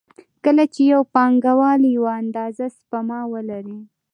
کله چې یو پانګوال یوه اندازه سپما ولري